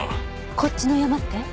こっちのヤマって？